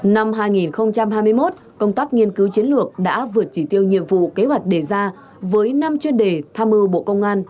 năm hai nghìn hai mươi một công tác nghiên cứu chiến lược đã vượt chỉ tiêu nhiệm vụ kế hoạch đề ra với năm chuyên đề tham mưu bộ công an